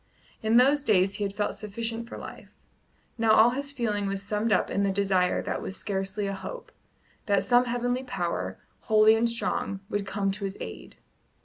In those days he had felt sufficient for life; now all his feeling was summed up in the desire that was scarcely a hope, that some heavenly power, holy and strong, would come to his aid.